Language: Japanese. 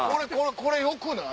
これよくない？